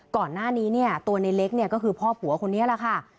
ก่อนหน้านี้ตัวในเล็กก็คือพ่อผัวคนนี้แหละค่ะ